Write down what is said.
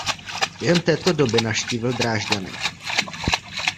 Během této doby navštívil Drážďany.